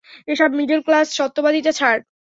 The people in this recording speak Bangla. এসব মিডেল ক্লাস সত্যবাদীতা ছাড়।